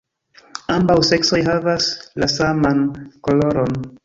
Ambaŭ seksoj havas la saman koloron.